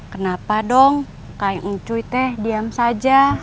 kenapa dong kak ngu cuy teh diam saja